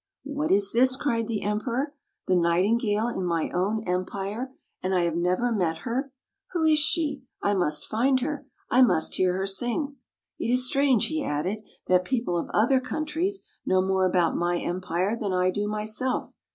"What is this!" cried the Emperor. " The Nightingale in my own empire, and I never have met her! Who is she? I must find her. I must hear her sing! " It is strange," he added, " that people of other countries know more about my Empire than I do myself.